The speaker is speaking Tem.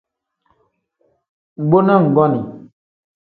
Mbo na nggonii.